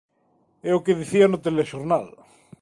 É o que dicían no telexornal.